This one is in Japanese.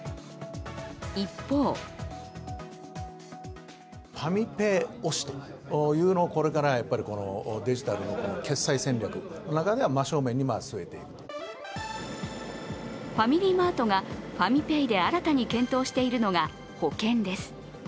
一方ファミリーマートがファミペイで新たに検討しているのが保険です。